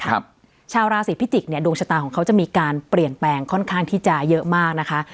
ชาวราศีพิจิกษเนี่ยดวงชะตาของเขาจะมีการเปลี่ยนแปลงค่อนข้างที่จะเยอะมากนะคะ